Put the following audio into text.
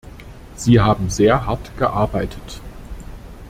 Sie haben sehr hart gearbeitet.